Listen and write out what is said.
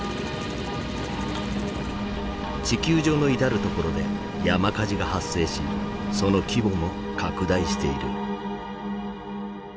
地球上の至る所で山火事が発生しその規模も拡大している。